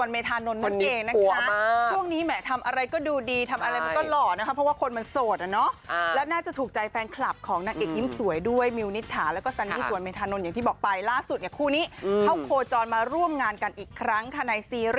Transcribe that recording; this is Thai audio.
พระเอกสายแฟชั่นซันนี่สวนเมธานนท์เนาะเองนะฮะ